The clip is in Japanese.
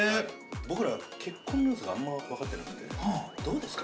◆僕ら、結婚のよさがあんま分かってなくてどうですか？